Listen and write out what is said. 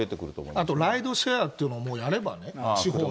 あとライドシェアっていうのをもうやればね、地方も。